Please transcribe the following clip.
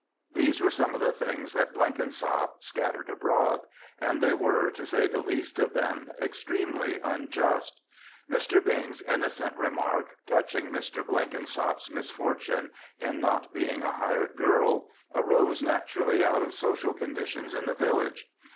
These were some of the things that Blenkinsop scattered abroad and they were, to say the least of them, extremely unjust. Mr. Bing's innocent remark touching Mr. Blenkinsop's misfortune in not being a hired girl, arose naturally out of social conditions in the village.